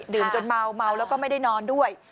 จนเมาเมาแล้วก็ไม่ได้นอนด้วย